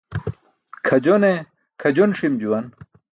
Kʰajone kʰajon ṣi̇m juwan.